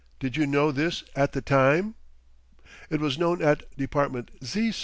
Did you know this at the time?" "It was known at Department Z.